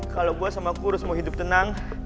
kalau gue sama kurus mau hidup tenang